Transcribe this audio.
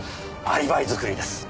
アリバイ作りです。